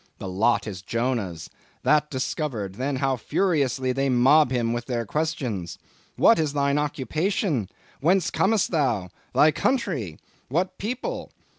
The lot is Jonah's; that discovered, then how furiously they mob him with their questions. 'What is thine occupation? Whence comest thou? Thy country? What people?